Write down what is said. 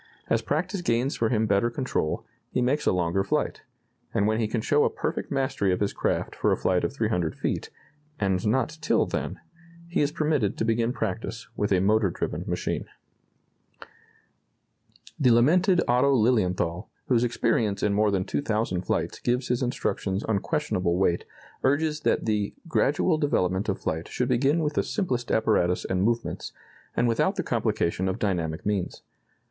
As practice gains for him better control, he makes a longer flight; and when he can show a perfect mastery of his craft for a flight of 300 feet, and not till then, he is permitted to begin practice with a motor driven machine. [Illustration: A French apparatus for instructing pupils in aviation.] The lamented Otto Lilienthal, whose experience in more than 2,000 flights gives his instructions unquestionable weight, urges that the "gradual development of flight should begin with the simplest apparatus and movements, and without the complication of dynamic means.